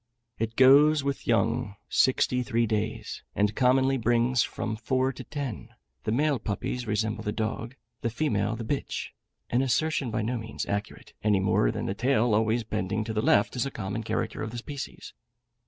It goes with young sixty three days, and commonly brings from four to ten; the male puppies resemble the dog, the female the bitch (an assertion by no means accurate, any more than the tail always bending to the left is a common character of the species).